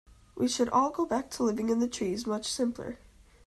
We should all go back to living in the trees, much simpler.